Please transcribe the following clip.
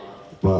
terima kasih pak